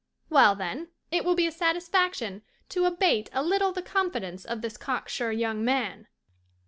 Well, then, it will be a satisfaction to abate a little the confidence of this cock sure young man."